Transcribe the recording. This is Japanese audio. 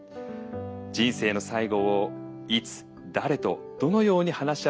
人生の最後をいつ誰とどのように話し合っていくのがよいのか。